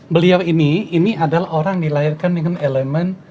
beliau ini ini adalah orang dilahirkan dengan elemen